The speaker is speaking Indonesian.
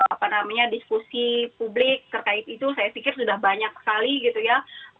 apa namanya diskusi publik terkait itu saya pikir sudah banyak sekali gitu ya